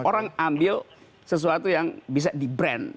jadi itu sudah diambil sesuatu yang bisa di brand